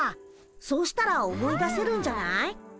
そうしたら思い出せるんじゃない？